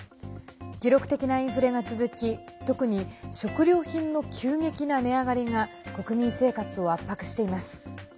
記録的なインフレが続き特に食料品の急激な値上がりが国民生活を圧迫しています。